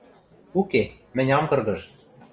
— Уке, мӹнь ам кыргыж.